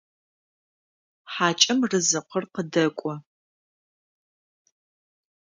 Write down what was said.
Хьакӏэм рызыкъыр къыдэкӏо.